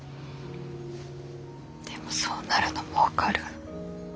でもそうなるのも分かる。